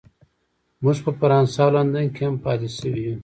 موږ په فرانسه او لندن کې هم پاتې شوي یو